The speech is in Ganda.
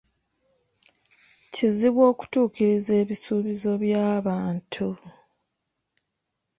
Kizibu okutuukiriza ebisuubizo by'abantu.